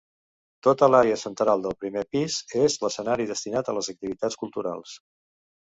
Tota l'àrea central del primer pis és l'escenari destinat a les activitats culturals.